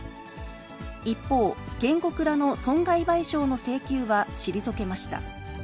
一方、原告らの損害賠償の請求は退けました。